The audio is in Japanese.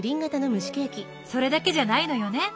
それだけじゃないのよね。